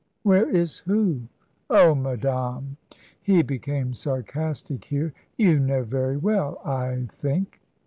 "Where is who?" "Oh, madame" he became sarcastic here "you know very well, I think."